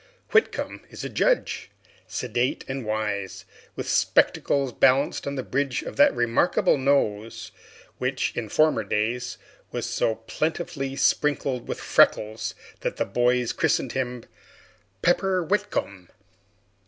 Whitcomb is a judge, sedate and wise, with spectacles balanced on the bridge of that remarkable nose which, in former days, was so plentifully sprinkled with freckles that the boys christened him Pepper Whitcomb.